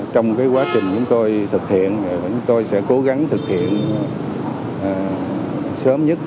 trong quá trình chúng tôi thực hiện chúng tôi sẽ cố gắng thực hiện sớm nhất